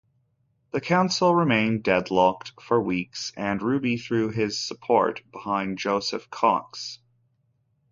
The council remained deadlocked for weeks and Ruby threw his support behind Joseph Cox.